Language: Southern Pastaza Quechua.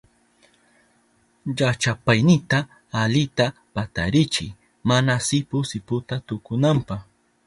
Llachapaynita alita patarichiy mana sipu sipu tukunanpa.